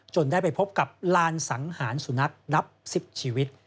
ได้ไปพบกับลานสังหารสุนัขนับ๑๐ชีวิต